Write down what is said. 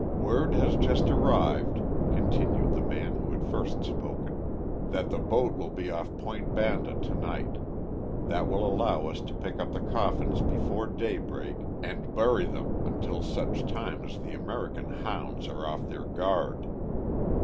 "Word has just arrived," continued the man who had first spoken, "that the boat will be off Point Banda to night. That will allow us to pick up the coffins before daybreak and bury them until such time as the American hounds are off their guard."